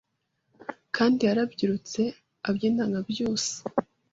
Kandi yarabyirutse abyina nka Byusa.